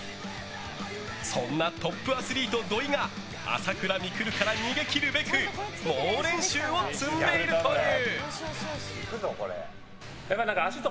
そんなトップアスリート土井が朝倉未来から逃げ切るべく猛練習を積んでいるという。